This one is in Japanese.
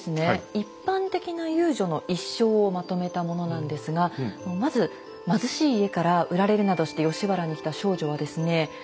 一般的な遊女の一生をまとめたものなんですがまず貧しい家から売られるなどして吉原に来た少女はですね